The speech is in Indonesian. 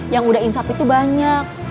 yang udah insaf itu banyak